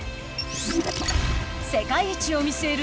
世界一を見据える